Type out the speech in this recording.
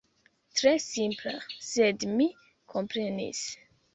Tre simpla, sed mi komprenis.